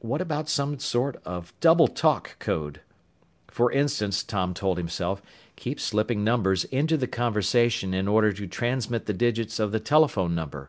What about some sort of double talk code? For instance, Tom told himself, keep slipping numbers into the conversation in order to transmit the digits of the telephone number.